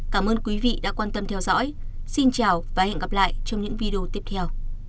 cảm ơn quý vị đã quan tâm theo dõi xin chào và hẹn gặp lại trong những video tiếp theo